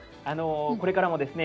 これからもですね